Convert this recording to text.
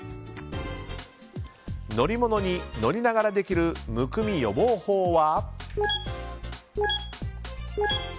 乗り物に乗りながらでもできるむくみ予防法は。